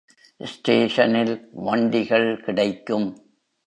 ஸ்டேஷனில் வண்டிகள் கிடைக்கும்.